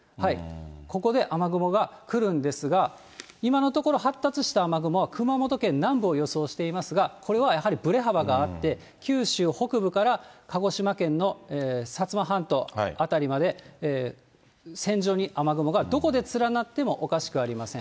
ここで雨雲がくるんですが、今のところ発達した雨雲は熊本県南部を予想していますが、これはやはりぶれ幅があって、九州北部から鹿児島県の薩摩半島辺りまで、線状に雨雲が、どこで連なってもおかしくありません。